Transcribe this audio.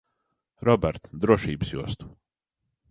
Robert, drošības jostu.